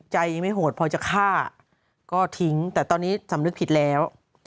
ใจยังไม่โหดพอจะฆ่าก็ทิ้งแต่ตอนนี้สำนึกผิดแล้ว